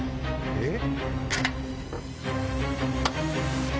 えっ？